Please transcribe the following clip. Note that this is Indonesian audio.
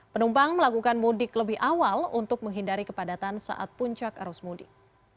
penumpang melakukan mudik lebih awal untuk menghindari kepadatan saat puncak arus mudik